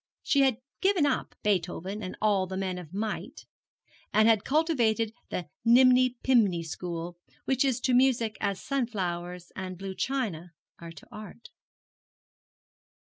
She had given up Beethoven and all the men of might, and had cultivated the niminy piminy school, which is to music as sunflowers and blue china are to art.